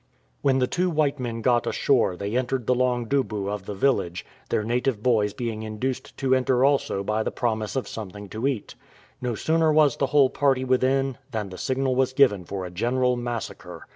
When the two white men got ashore they entered the long duhu of the village, their native boys being induced to enter also by the promise of something to eat. No sooner was the whole party within than the signal was given for a general massacre.